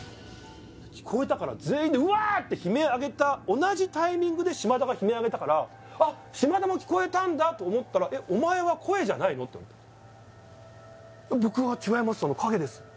聞こえたから全員で「うわーっ！」って悲鳴あげた同じタイミングで島田が悲鳴あげたから「あっ島田も聞こえたんだ」と思ったら「えっお前は声じゃないの？」って言われた「僕は違います影です」